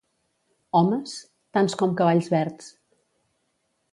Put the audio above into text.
Homes? Tants com cavalls verds.